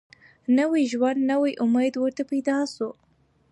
نوی ژوند نوی امید ورته پیدا سو